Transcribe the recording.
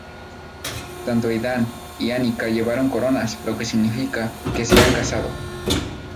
Tanto Aidan y Annika llevan coronas, lo que significa que se han casado.